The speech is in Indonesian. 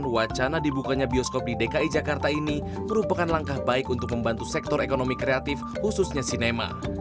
wacana dibukanya bioskop di dki jakarta ini merupakan langkah baik untuk membantu sektor ekonomi kreatif khususnya sinema